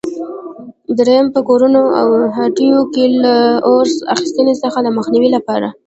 درېیم: په کورونو او هټیو کې له اور اخیستنې څخه د مخنیوي لپاره؟